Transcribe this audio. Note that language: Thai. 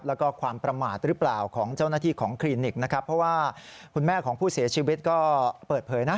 แต่มันหล่นจากเตียงแล้วตาย